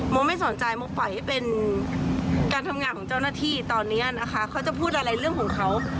ไม่สนใจโมปล่อยให้เป็นการทำงานของเจ้าหน้าที่ตอนนี้นะคะเขาจะพูดอะไรเรื่องของเขา